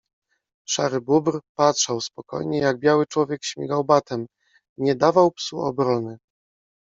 Szary Bóbr patrzał spokojnie, jak biały człowiek śmigał batem. Nie dawał psu obrony.